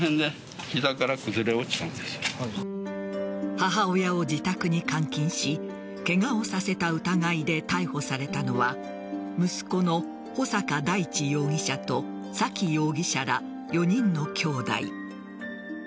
母親を自宅に監禁しケガをさせた疑いで逮捕されたのは息子の穂坂大地容疑者と沙喜容疑者ら４人のきょうだい。